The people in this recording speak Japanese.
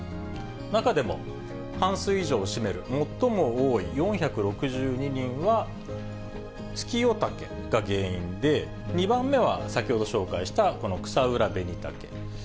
中でも、半数以上を占める、最も多い４６２人はツキヨタケが原因で、２番目は先ほど紹介した、このクサウラベニタケ。